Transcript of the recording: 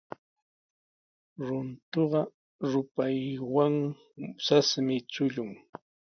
Runtuqa rupaywan sasmi chullun.